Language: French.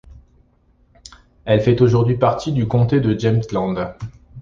Elle fait aujourd'hui partie du comté de Jämtland.